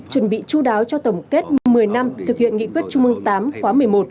chuẩn bị chú đáo cho tổng kết một mươi năm thực hiện nghị quyết trung mương tám khóa một mươi một